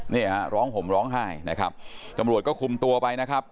เนี่ยฮะร้องห่มร้องไห้นะครับตำรวจก็คุมตัวไปนะครับ